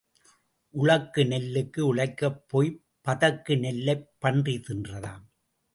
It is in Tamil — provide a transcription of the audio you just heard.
உழக்கு நெல்லுக்கு உழைக்கப் போய்ப் பதக்கு நெல்லைப் பன்றி தின்றதாம்.